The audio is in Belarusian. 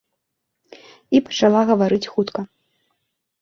І пачала гаварыць хутка.